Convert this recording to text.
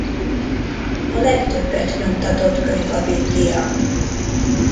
A legtöbbet nyomtatott könyv a Biblia.